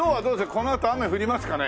このあと雨降りますかね？